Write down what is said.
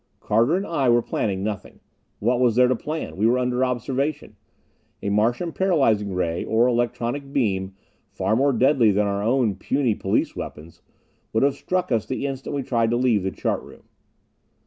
Carter and I were planning nothing. What was there to plan? We were under observation. A Martian paralyzing ray or electronic beam, far more deadly than our own puny police weapons would have struck us the instant we tried to leave the chart room.